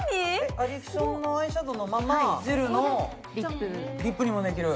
アディクションのアイシャドウのままジルのリップにもできる？